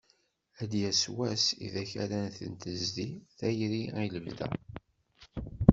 Ad d-yas wass ideg ara ten-tezdi tayri i lebda.